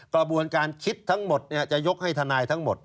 กระบวนการคิดทั้งหมดจะยกให้ทนายทั้งหมด